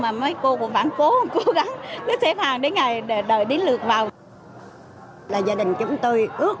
mà mấy cô cũng vẫn cố cố gắng cứ xếp hàng đến ngày để đợi đến lượt vào là gia đình chúng tôi ước